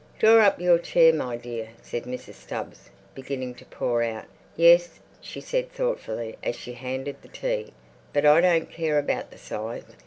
"Draw up your chair, my dear," said Mrs. Stubbs, beginning to pour out. "Yes," she said thoughtfully, as she handed the tea, "but I don't care about the size.